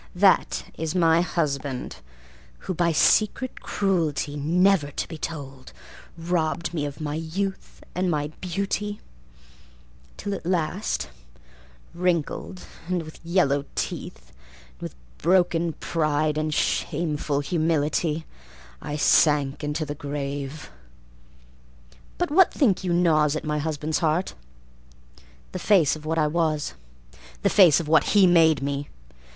That is my husband who, by secret cruelty Never to be told, robbed me of my youth and my beauty; Till at last, wrinkled and with yellow teeth, And with broken pride and shameful humility, I sank into the grave. But what think you gnaws at my husband's heart? The face of what I was, the face of what he made me!